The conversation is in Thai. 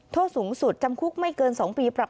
โทษสูงสุดจำคุกไม่เกิน๒ปีปรับ